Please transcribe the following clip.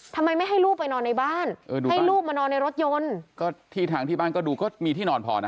ทำไมไม่ให้ลูกไปนอนในบ้านให้ลูกมานอนในรถยนต์ก็ที่ทางที่บ้านก็ดูก็มีที่นอนพอนะ